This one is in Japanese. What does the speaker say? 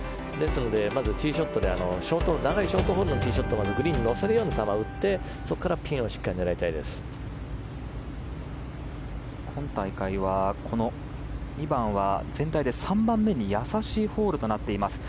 まずティーショットで長いショートホールのティーショットなのでグリーン乗せるように打って今大会は２番は全体の３番目に優しいホールとなっています。